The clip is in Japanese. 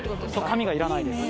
紙がいらないです